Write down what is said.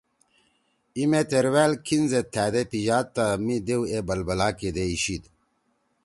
ای مے تروأل کِھین زید تھأدے پیِژاد تا می دیو اے بلبلا کیدے اِیشید۔